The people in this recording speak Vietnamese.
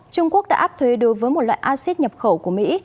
trung quốc đã áp thuế đối với một loại acid nhập khẩu của mỹ